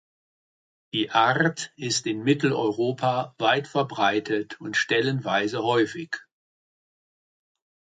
Die Art ist in Mitteleuropa weit verbreitet und stellenweise häufig.